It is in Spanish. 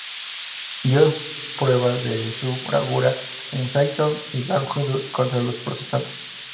Dio pruebas de su bravura en Saintonge y en Languedoc contra los protestantes.